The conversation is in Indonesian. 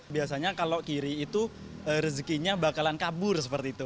biasanya kalau kiri itu rezekinya bakalan kabur seperti itu